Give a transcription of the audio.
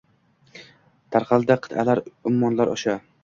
Tarqaldi qit’alar, ummonlar osha.